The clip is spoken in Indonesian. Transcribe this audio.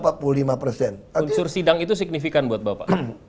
unsur sidang itu signifikan buat bapak